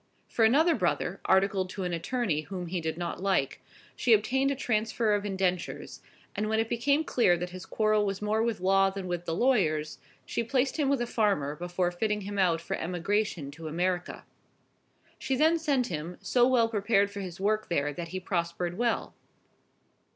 For another brother, articled to an attorney whom he did not like, she obtained a transfer of indentures; and when it became clear that his quarrel was more with law than with the lawyers, she placed him with a farmer before fitting him out for emigration to America. She then sent him, so well prepared for his work there that he prospered well.